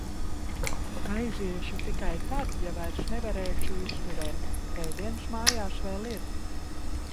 Aiziešu tikai tad, ja vairs nevarēšu izturēt. Ēdiens mājās vēl ir.